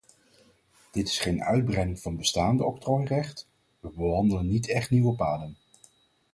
Dit is geen uitbreiding van bestaand octrooirecht; we bewandelen niet echte nieuwe paden.